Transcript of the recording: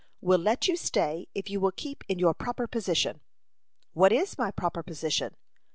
"We'll let you stay if you will keep in your proper position." "What is my proper position?"